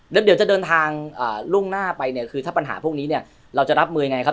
เดี๋ยวเดินทางล่วงหน้าไปถ้าปัญหาพวกนี้เราจะรับมืออย่างไร